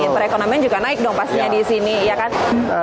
perekonomian juga naik dong pastinya di sini ya kan